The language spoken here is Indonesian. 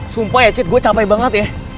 sumpah ya cit gue capek banget ya